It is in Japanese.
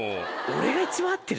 俺が一番会ってる？